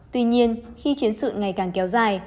tuy nhiên khi chiến sự ngày càng kéo dài